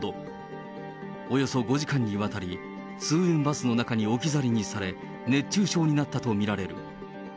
およそ５時間にわたり、通園バスの中に置き去りにされ、熱中症になったと見られる。